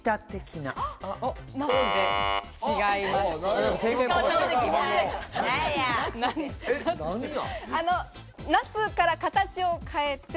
なすから形を変えて。